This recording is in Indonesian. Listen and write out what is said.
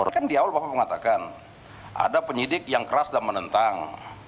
tapi kan di awal bapak mengatakan ada penyidik yang keras dan menentang